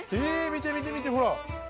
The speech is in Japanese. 見て見て見てほら！